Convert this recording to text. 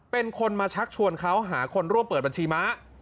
เป็นคนมาชักชวนเขาหาคนร่วมเปิดบัญชีม้า